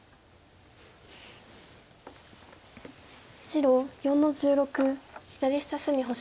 白４の十六左下隅星。